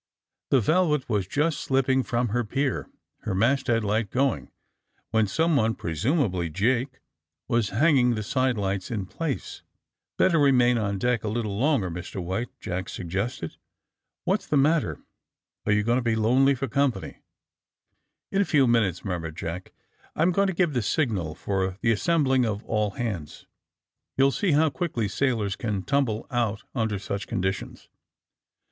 The ''Velvet" was just slipping from her pier, her masthead light going, while someone, presum ably Jake, was hanging the sidelights in place. ''Better remain on deck a little longer, Mr. White," Jack suggested. *' What's the matter? Are you going to be lonely for companyl" "In a few minutes," murmured Jack, "I'm going to give the signal for the assembling of all hands. You'll see how quickly sailors can tumble out under such conditions."